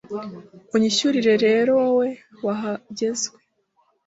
Unyishyurire rero wowe wahagwze